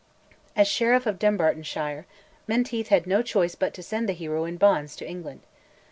As Sheriff of Dumbartonshire, Menteith had no choice but to send the hero in bonds to England.